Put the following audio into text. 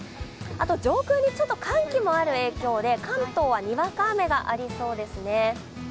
あと上空に寒気もある影響で関東は、にわか雨がありそうですね